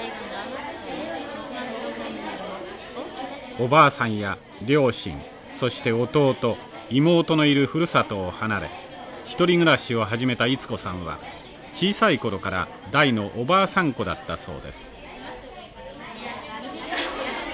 おばあさんや両親そして弟妹のいるふるさとを離れ１人暮らしを始めた溢子さんは小さい頃から大のおばあさんっ子だったそうです。